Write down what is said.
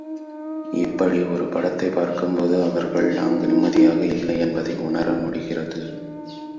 இப்படி ஒரு படத்தைப் பார்க்கும்போது அவர்கள் அங்கு நிம்மதியாக இல்லை என்பதை உணர முடிகிறது.